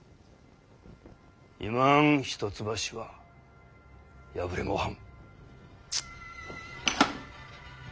今ん一橋は破れもはん。